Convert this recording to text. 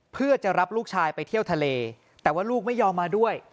เพื่อจะรับลูกชายไปเที่ยวทะเลแต่ว่าลูกไม่ยอมมาด้วย